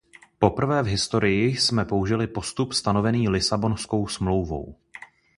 Poprvé v historii jsme použili postup stanovený Lisabonskou smlouvou.